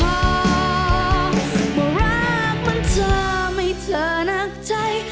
ว่ารักมันทำให้เธอนักใจ